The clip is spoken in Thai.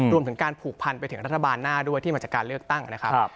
รวมถึงการผูกพันไปถึงรัฐบาลหน้าด้วยที่มาจากการเลือกตั้งนะครับ